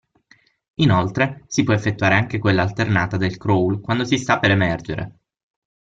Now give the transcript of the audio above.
Inoltre, si può effettuare anche quella alternata del crawl quando si sta per emergere.